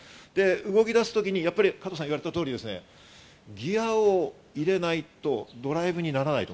動き出すときに加藤さんが言われた通り、ギアを入れないとドライブにならない。